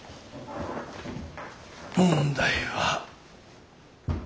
問題は。